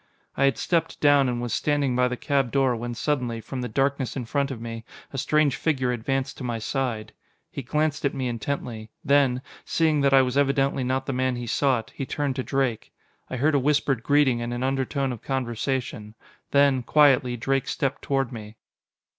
I had stepped down and was standing by the cab door when suddenly, from the darkness in front of me, a strange figure advanced to my side. He glanced at me intently; then, seeing that I was evidently not the man he sought, he turned to Drake. I heard a whispered greeting and an undertone of conversation. Then, quietly, Drake stepped toward me.